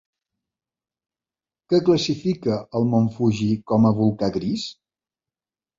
Què classifica al mont Fuji com a volcà gris?